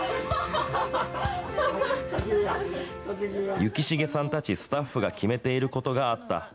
幸重さんたち、スタッフが決めていることがあった。